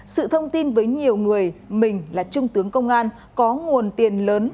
sự thông tin với nhiều người mình là trung tướng công an có nguồn tiền lớn